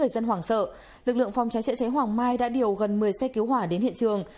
phòng mai đã điều gần một mươi xe cứu hỏa đến hiện trường